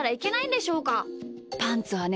パンツはね